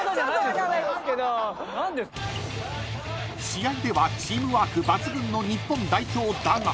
［試合ではチームワーク抜群の日本代表だが］